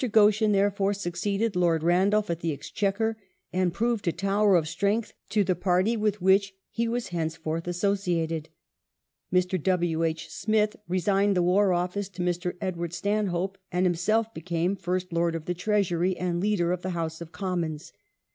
Goschen, therefore, suc ceeded Lord Randolph at the Exchequer and proved a tower of strength to the Party with which he was henceforth associated. Mr. W. H. Smith resigned the War Office to Mr. Edward Stan hope, and himself became First Lord of the Treasury and Leader of the House of Commons.